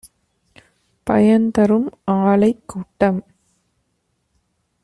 பயன்தரும் ஆலைக் கூட்டம்